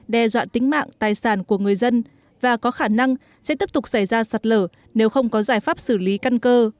đe dọa tính mạng tài sản của người dân và có khả năng sẽ tiếp tục xảy ra sạt lở nếu không có giải pháp xử lý căn cơ